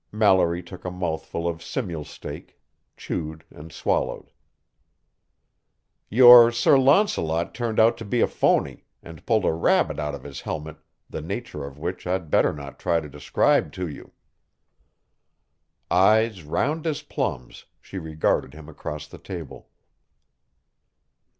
Mallory took a mouthful of simulsteak, chewed and swallowed. "Your Sir Launcelot turned out to be a phony, and pulled a rabbit out of his helmet the nature of which I'd better not try to describe to you." Eyes round as plums, she regarded him across the table.